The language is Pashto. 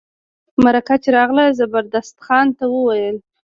مرکه چي راغله زبردست خان ته وویل.